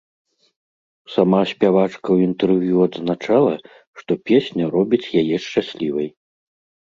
Сама спявачка ў інтэрв'ю адзначала, што песня робіць яе шчаслівай.